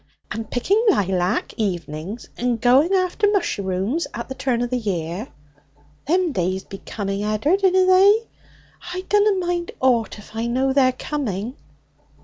And picking laylac, evenings, and going after musherooms at the turn of the year. Them days be coming, Ed'ard, inna they? I dunna mind ought if I know they're coming.'